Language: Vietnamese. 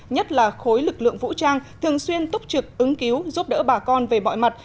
nhất là khối lực lượng vũ trang thường xuyên túc trực ứng cứu giúp đỡ bà con về mọi mặt